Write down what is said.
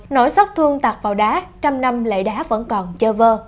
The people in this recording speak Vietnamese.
nỗi sóc thương tạc vào đá trăm năm lệ đá vẫn còn chơ vơ